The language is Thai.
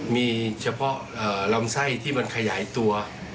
มีเฉพาะลำไส้ที่มันขยายตัว